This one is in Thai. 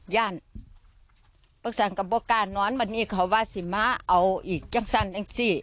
ย่านปรักษังกระปุกกาน้อนมันอีกขวาสิม้าเอาอีกจังสั่นอังสิ